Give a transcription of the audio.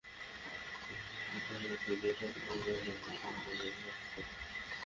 Police যদি আমাদের কথায় গুরুত্ব দিয়ে দেখত, তাহলে হয়তো শিশুরা বেঁচে যেত।